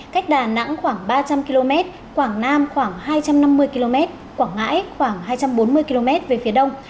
cách đà nẵng khoảng ba trăm linh km quảng nam khoảng hai trăm năm mươi km quảng ngãi khoảng hai trăm bốn mươi km về phía đông